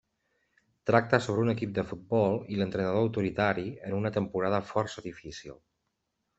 Tracta sobre un equip de futbol i l'entrenador autoritari en una temporada força difícil.